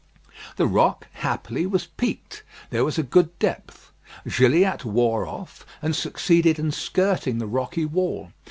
The rock, happily, was peaked; there was a good depth. Gilliatt wore off, and succeeded in skirting the rocky wall.